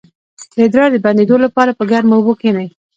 د ادرار د بندیدو لپاره په ګرمو اوبو کینئ